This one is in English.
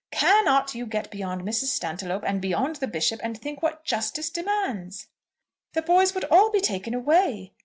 "Cannot you get beyond Mrs. Stantiloup and beyond the Bishop, and think what Justice demands?" "The boys would all be taken away.